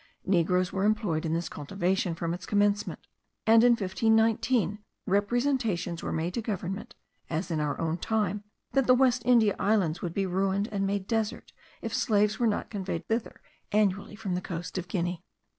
Negroes were employed in this cultivation from its commencement; and in 1519 representations were made to government, as in our own time, that the West India Islands would be ruined and made desert, if slaves were not conveyed thither annually from the coast of Guinea.